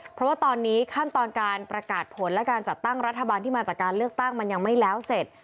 เพราะว่าตอนนี้ขั้นตอนการประกาศผลและการจัดตั้งรัฐบาลที่มาจากการเลือกตั้งมันยังไม่แล้วเสร็จ